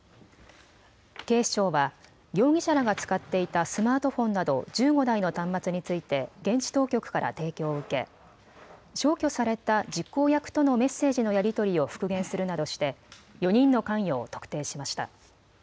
警視庁は容疑者らが使っていたスマートフォンなど１５台の端末について現地当局から提供を受け消去された実行役とのメッセージのやり取りを復元するなどして４人の関与を特定しました。